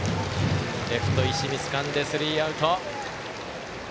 レフト、石見つかんでスリーアウト。